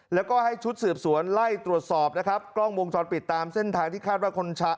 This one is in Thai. แล้วก็ให้ชุดสืบสวนไล่ตรวจสอบนะครับกล้องวงจรปิดตามเส้นทางที่คาดว่าคนชะ